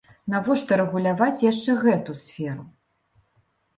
Навошта рэгуляваць яшчэ гэту сферу?